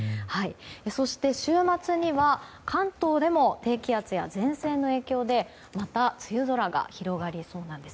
そして、週末には関東でも低気圧や前線の影響でまた梅雨空が広がりそうなんです。